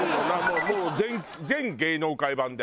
もう全芸能界版で。